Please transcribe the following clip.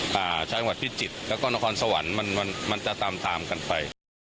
ชาวจังหวัดพิจิตรแล้วก็นครสวรรค์มันจะตามกันไป